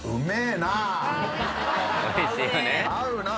合うなぁ。